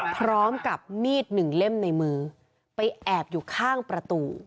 พร้อมกับมีดหนึ่งเล่มในมือไปแอบอยู่ข้างประตู